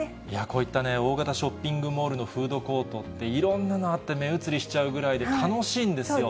こういった大型ショッピングモールのフードコートって、いろんなのあって、目移りしちゃうぐらいで、楽しいんですよ。